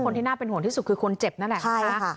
คนที่น่าเป็นห่วงที่สุดคือคนเจ็บนั่นแหละ